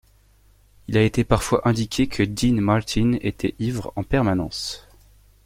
Il a été parfois indiqué que Dean Martin était ivre en permanence.